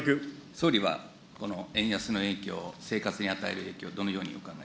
総理はこの円安の影響、生活に与える影響、どのように考え